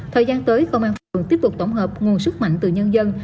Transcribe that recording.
thời gian tới công an phường tiếp tục tổng hợp nguồn sức mạnh từ nhân dân